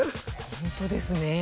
本当ですね。